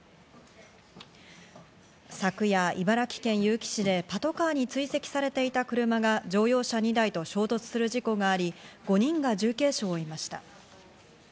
昨夜、茨城県結城市でパトカーに追跡されていた車が乗用車２台と衝突する事故があり、５人が重軽傷を負いました。